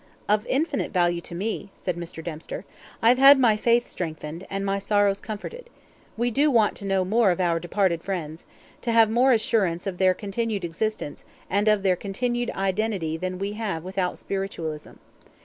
"Of infinite value to me," said Mr. Dempster, "I have had my faith strengthened, and my sorrows comforted. We do want to know more of our departed friends to have more assurance of their continued existence, and of their continued identity than we have without spiritualism.